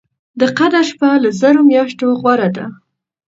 د قدر شپه له زرو مياشتو غوره ده